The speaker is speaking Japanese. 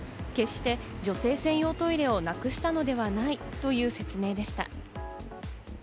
決して女性専用トイレをなくしたのではないという説明でした。